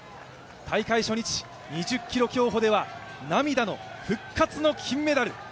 大会初日、２０ｋｍ競歩では涙の復活の金メダル。